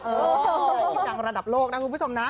เอออีกดังระดับโลกนะคุณผู้ชมนะ